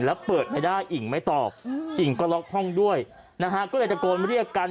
แล้วเปิดไม่ได้อิ่งไม่ตอบอิ่งก็ล็อกห้องด้วยนะฮะก็เลยตะโกนเรียกกัน